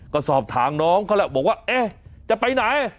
ก็สอบถามน้องเขาแหละบอกว่าเอ๊ะจะไปไหน